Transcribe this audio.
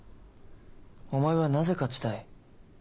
お前はなぜ勝ちたい？